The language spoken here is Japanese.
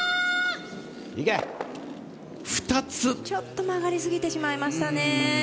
ちょっと曲がりすぎてしまいましたね。